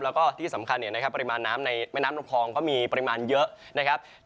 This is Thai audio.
แล้วก็ที่สำคัญเนี่ยนะครับปริมาณน้ำในแม่น้ำลำพองก็มีปริมาณเยอะนะครับ